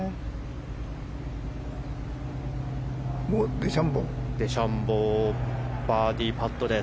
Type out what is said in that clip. デシャンボーバーディーパットです。